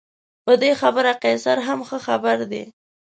په دې خبره قیصر هم ښه خبر دی.